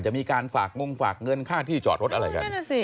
จะมีการฝากงงฝากเงินค่าที่จอดรถอะไรกัน